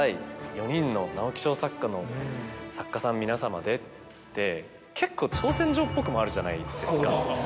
４人の直木賞作家の作家さん皆さまで」って結構挑戦状っぽくもあるじゃないですか。